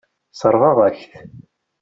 Sseṛɣeɣ-ak-tt.